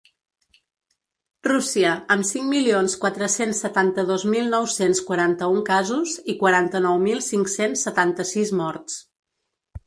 Rússia, amb cinc milions quatre-cents setanta-dos mil nou-cents quaranta-un casos i quaranta-nou mil cinc-cents setanta-sis morts.